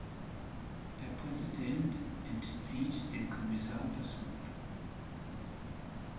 Der Präsident entzieht dem Kommissar das Wort.